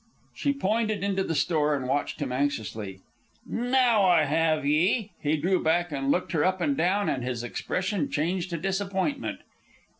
She pointed into the store and watched him anxiously. "Now I have ye!" He drew back and looked her up and down, and his expression changed to disappointment.